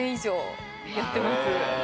やってます。